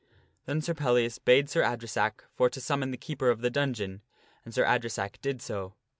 Then Sir Pel lias bade Sir Adresack for to summon the keeper of the dungeon, and Sir Adresack did so.